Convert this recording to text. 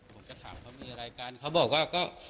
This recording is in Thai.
ผมก็ถามเขามีอะไรกันเขาบอกว่าก็